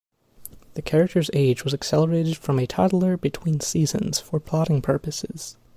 The character's age was accelerated from a toddler between seasons for plotting purposes.